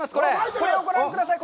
これをご覧ください。